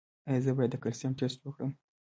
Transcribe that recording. ایا زه باید د کلسیم ټسټ وکړم؟